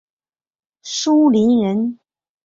舒磷人。